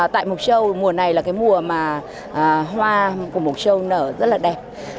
tại mộc châu mùa này là cái mùa mà hoa của mộc châu nở rất là đẹp